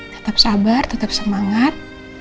tetap sabar tetap semangat